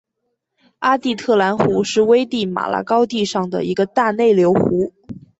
阿蒂特兰湖是危地马拉高地上的一个大内流湖。